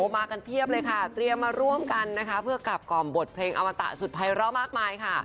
มากันเพียบเลยค่ะเตรียมมาร่วมกันนะคะเพื่อกลับกล่อมบทเพลงอมตะสุดภัยร้อมากมายค่ะ